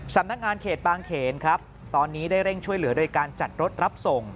สำนักงานเขตบางเขนครับตอนนี้ได้เร่งช่วยเหลือโดยการจัดรถรับส่ง